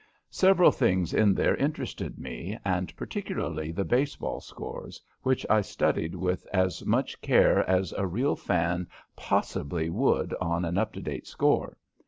Several things in there interested me, and particularly the baseball scores, which I studied with as much care as a real fan possibly would an up to date score.